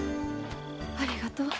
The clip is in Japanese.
ありがとう。